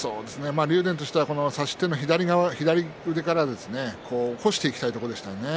竜電としては差し手の左腕から起こしていきたいところでしたね。